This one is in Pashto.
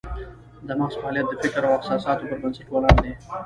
د مغز فعالیت د فکر او احساساتو پر بنسټ ولاړ دی